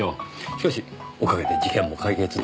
しかしおかげで事件も解決出来ました。